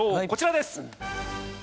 こちらです。